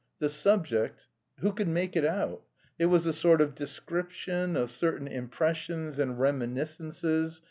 The subject.... Who could make it out? It was a sort of description of certain impressions and reminiscences.